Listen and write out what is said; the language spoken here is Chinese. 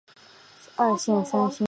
二线三星。